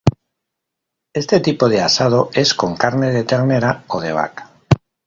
Este tipo de asado es con carne de ternera, o de vaca.